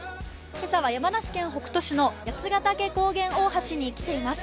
今朝は山梨県北杜市の八ヶ岳高原大橋に来ています。